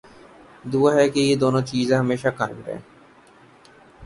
دعا ہے کہ یہ دونوں چیزیں ہمیشہ قائم رہیں۔